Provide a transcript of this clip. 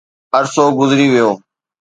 عرصو گذري ويو